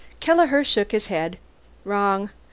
Kelleher shook his head. "Wrong.